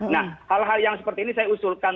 nah hal hal yang seperti ini saya usulkan